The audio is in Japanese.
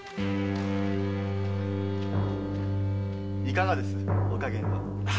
いかがですお加減は？